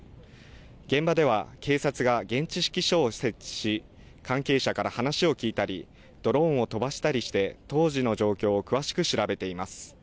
現場では警察が現地指揮所を設置し関係者から話を聞いたりドローンを飛ばしたりして当時の状況を詳しく調べています。